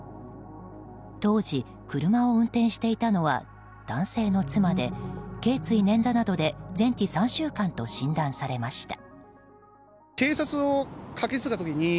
当時、車を運転していたのは男性の妻で頸椎捻挫などで全治３週間と診断されました。